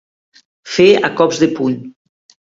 Fer a cops de puny.